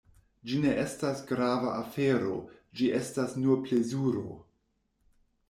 Ĝi ne estas grava afero, ĝi estas nur plezuro.